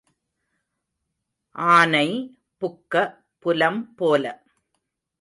ஆனை புக்க புலம் போல.